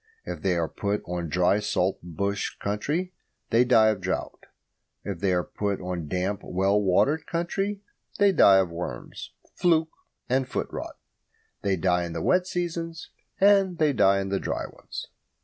If they are put on dry salt bush country they die of drought. If they are put on damp, well watered country they die of worms, fluke, and foot rot. They die in the wet seasons and they die in the dry ones.